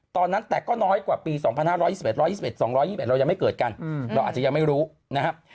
ตอนนั้นแต่ก็น้อยกว่าปี๒๕๒๑๒๑๒๒๑เรายังไม่เกิดกันเราอาจจะยังไม่รู้นะครับ